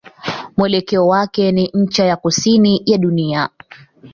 Mwelekeo wake ni ncha ya kusini ya dunia.